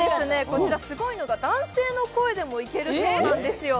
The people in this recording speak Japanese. こちらすごいのが男性の声でもいけるそうなんですよ。